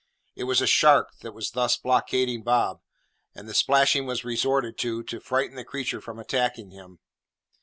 It was a shark that was thus blockading Bob, and the splashing was resorted to, to frighten the creature from attacking him.